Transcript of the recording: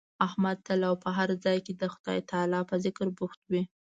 احمد تل او په هر ځای کې د خدای تعالی په ذکر بوخت وي.